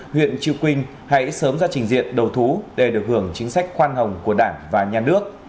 huyện cực trư quỳnh hãy sớm ra trình diện đầu thú để được hưởng chính sách khoan hồng của đảng và nhà nước